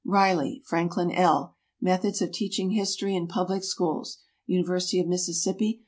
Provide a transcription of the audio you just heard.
RILEY, FRANKLIN L. "Methods of Teaching History in Public Schools." University of Mississippi.